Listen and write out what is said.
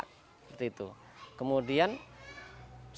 kemudian sangat bergantung